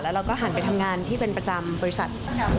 เราก็หันไปทำงานที่เป็นประจำบริษัท